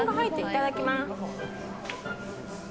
いただきます。